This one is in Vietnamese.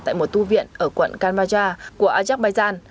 tại một tu viện ở quận kalbajar của azerbaijan